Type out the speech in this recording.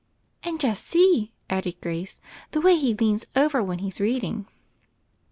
"And just see," added Grace, "the way he leans over when he's reading."